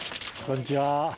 こんにちは。